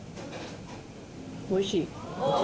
おいしい。